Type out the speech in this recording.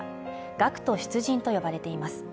学徒出陣と呼ばれています